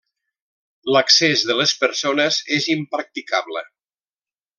L'accés de les persones és impracticable.